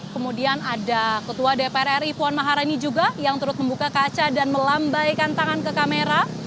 kemudian ada ketua dpr ri puan maharani juga yang turut membuka kaca dan melambaikan tangan ke kamera